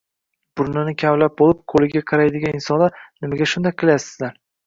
Burnini kavlab bo'lib, qo'liga qaraydigan insonlar, nimaga shunday qilasizlar?